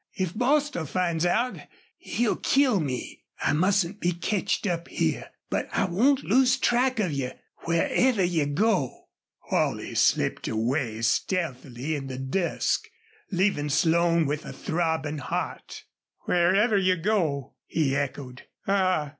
If Bostil finds out he'll kill me. I mustn't be ketched up here. But I won't lose track of you wherever you go." Holley slipped away stealthily in the dusk, leaving Slone with a throbbing heart. "Wherever you go!" he echoed. "Ah!